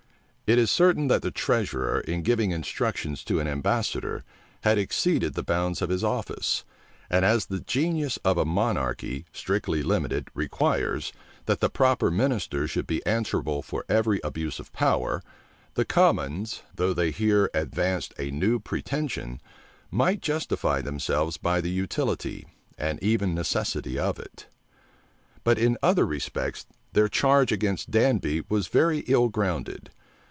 It is certain that the treasurer, in giving instructions to an ambassador, had exceeded the bounds of his office; and as the genius of a monarchy, strictly limited, requires, that the proper minister should be answerable for every abuse of power, the commons, though they here advanced a new pretension, might justify themselves by the utility, and even necessity of it. But in other respects their charge against Danby was very ill grounded.